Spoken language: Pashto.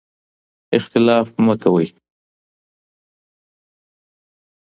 اختلاف مه کوئ.